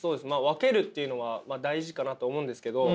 分けるっていうのは大事かなと思うんですけど。